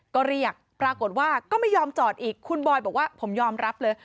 ก็เรียกปรากฏว่าก็ไม่ยอมจอดอีกคุณบอยบอกว่าผมยอมรับเลย